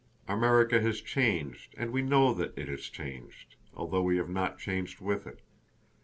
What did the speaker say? America has changed and we know that it has changed, although we have not changed with it.